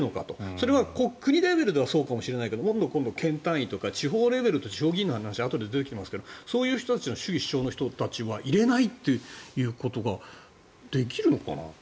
それは国レベルではそうかもしれないけれど今度県単位とか地方レベルで地方議員の話があとで出てきますがそういう主義主張の人たちは入れないということができるのかなと。